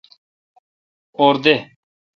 اور دہ۔